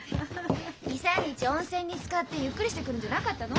２３日温泉につかってゆっくりしてくるんじゃなかったの？